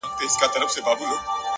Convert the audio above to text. لوړ فکر د بدلون تخم شیندي.!